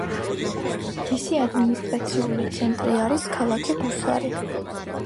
მისი ადმინისტრაციული ცენტრი არის ქალაქი გუსარი.